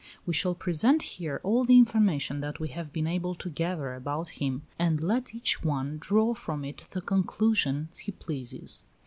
We shall present here all the information that we have been able to gather about him, and let each one draw from it the conclusion he pleases.